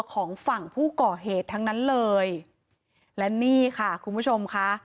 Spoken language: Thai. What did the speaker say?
ของฝั่งผู้ก่อเหตุทั้งนั้นเลยและนี่ค่ะคุณผู้ชมค่ะ